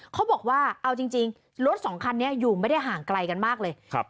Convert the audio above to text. เขาบอกว่าเอาจริงรถสองคันนี้อยู่ไม่ได้ห่างไกลกันมากเลย